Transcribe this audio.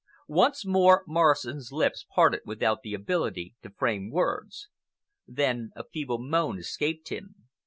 Once more Morrison's lips parted without the ability to frame words. Then a feeble moan escaped him.